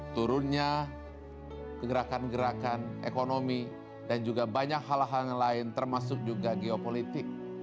turunnya kegerakan gerakan ekonomi dan juga banyak hal hal yang lain termasuk juga geopolitik